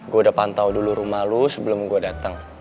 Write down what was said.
gue udah pantau dulu rumah lo sebelum gue datang